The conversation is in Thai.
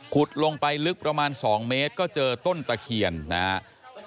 ลงไปลึกประมาณ๒เมตรก็เจอต้นตะเคียนนะครับ